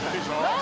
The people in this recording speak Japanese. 何